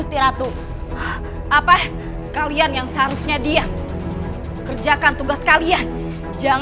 siapa yang meminta tolong